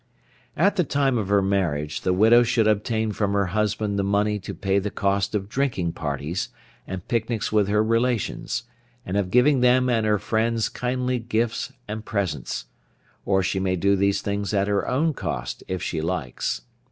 At the time of her marriage the widow should obtain from her husband the money to pay the cost of drinking parties, and picnics with her relations, and of giving them and her friends kindly gifts and presents; or she may do these things at her own cost if she likes.